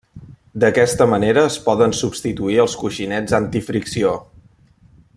D'aquesta manera es poden substituir els coixinets antifricció.